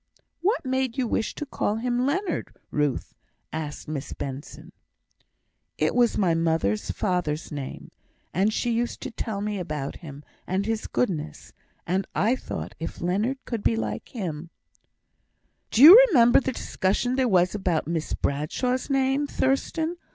"What made you wish to call him Leonard, Ruth?" asked Miss Benson. "It was my mother's father's name; and she used to tell me about him and his goodness, and I thought if Leonard could be like him " "Do you remember the discussion there was about Miss Bradshaw's name, Thurstan?